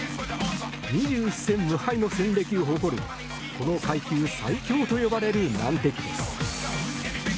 ２１戦無敗の戦歴を誇るこの階級最強と呼ばれる難敵です。